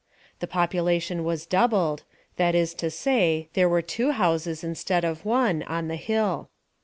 The population was doubled, that is to say, there were two houses, instead of one, on the hill.